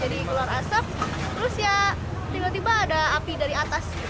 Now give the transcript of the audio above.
jadi keluar asap terus ya tiba tiba ada api dari atas